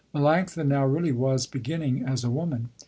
Melanctha now really was beginning as a woman.